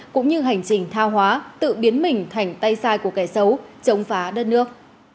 cũng như hành trình thao hóa tự biến mình thành tay sai của kẻ xấu chống phá đất nước